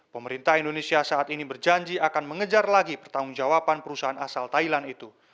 pemerintah indonesia saat ini berjanji akan mengejar lagi pertanggung jawaban perusahaan asal thailand itu